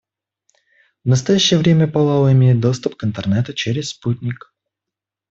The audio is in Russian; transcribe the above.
В настоящее время Палау имеет доступ к Интернету через спутник.